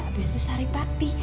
abis itu sari pati